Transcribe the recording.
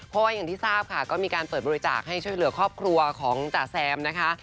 เพราะว่าอย่างที่ทราบค่ะก็มีการเปิดบริจาคให้ช่วยเหลือครอบครัวของจ๋าแซมนะคะ